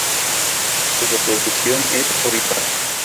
Su reproducción es ovípara.